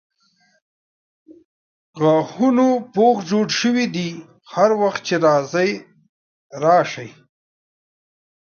د غاښونو پوښ جوړ سوی دی هر وخت چې راځئ راسئ.